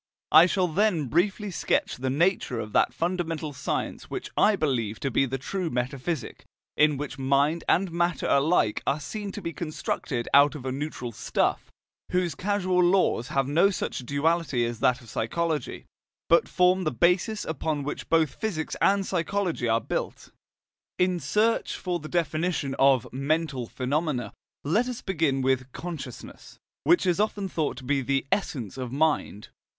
I shall then briefly sketch the nature of that fundamental science which I believe to be the true metaphysic, in which mind and matter alike are seen to be constructed out of a neutral stuff, whose causal laws have no such duality as that of psychology, but form the basis upon which both physics and psychology are built. In search for the definition of "mental phenomena," let us begin with "consciousness," which is often thought to be the essence of mind.